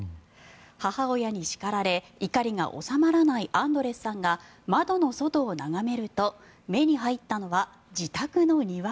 母親に叱られ、怒りが収まらないアンドレスさんが窓の外を眺めると目に入ったのは自宅の庭。